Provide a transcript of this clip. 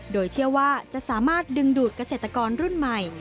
โดยเชื่อว่าจะสามารถดึงดูดเกษตรกรรุ่นใหม่